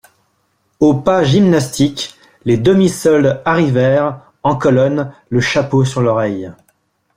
Au pas gymnastique, les demi-soldes arrivèrent, en colonne, le chapeau sur l'oreille.